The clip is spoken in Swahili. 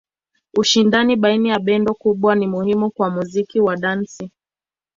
Ushindani baina ya bendi kubwa ni muhimu kwa muziki wa dansi.